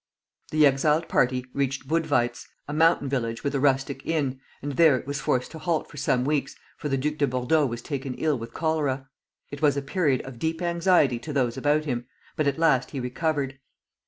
The exiled party reached Budweiz, a mountain village with a rustic inn, and there it was forced to halt for some weeks, for the Duc de Bordeaux was taken ill with cholera. It was a period of deep anxiety to those about him, but at last he recovered.